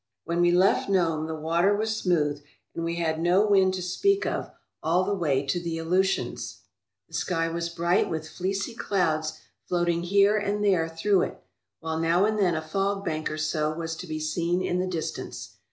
When we left Nome the water was smooth and we had no wind to speak of all the way to the Aleutians. The 239 ALASKA OUR NORTHERN WONDERLAND sky was bright, with fleecy clouds floating here and there through it, while now and then a fog bank or so was to be seen in the distance.